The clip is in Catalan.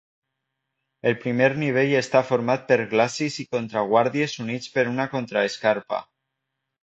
El primer nivell està format per glacis i contraguàrdies units per una contraescarpa.